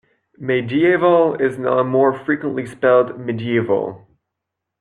Mediaeval is now more frequently spelled medieval.